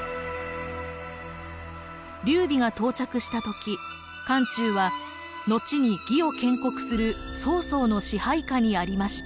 劉備が到着した時漢中は後に魏を建国する曹操の支配下にありました。